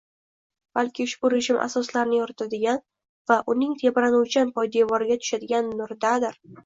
balki ushbu rejim asoslarini yoritadigan va uning tebranuvchan poydevoriga tushadigan “nuri”dadir